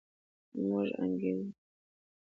موږ انګېرو.